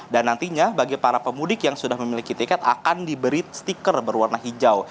dan nantinya bagi para pemudik yang sudah memiliki tiket akan diberi sticker berwarna hijau